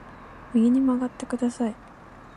右に曲がってください